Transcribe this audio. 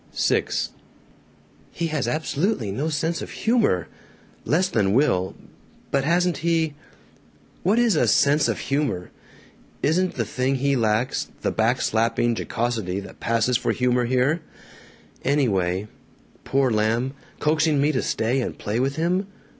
VI "He has absolutely no sense of humor. Less than Will. But hasn't he What is a 'sense of humor'? Isn't the thing he lacks the back slapping jocosity that passes for humor here? Anyway Poor lamb, coaxing me to stay and play with him!